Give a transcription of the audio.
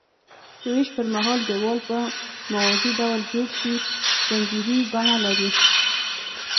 که ویش پرمهال دیوال په موازي ډول جوړ شي ځنځیري بڼه لري.